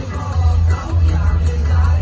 กลับไปกลับไป